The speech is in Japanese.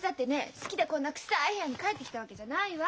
好きでこんな臭い部屋に帰ってきたわけじゃないわ！